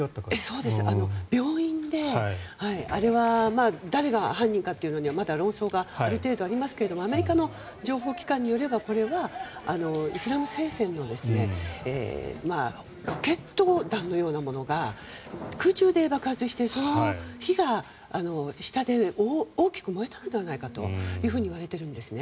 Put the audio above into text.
病院であれは誰が犯人かはまだ論争がありますがアメリカの情報機関によればこれはイスラム聖戦のロケット弾のようなものが空中で爆発してその火が下で大きく燃えたのではないかといわれているんですね。